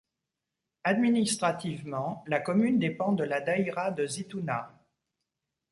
Administrativement, la commune dépend de la Daïra de Zitouna.